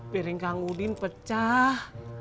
piring kang udin pecah